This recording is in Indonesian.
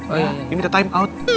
oh iya ini udah time out